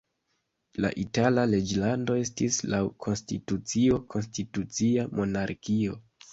La Itala reĝlando estis laŭ konstitucio konstitucia monarkio.